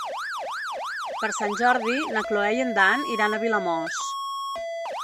Per Sant Jordi na Cloè i en Dan iran a Vilamòs.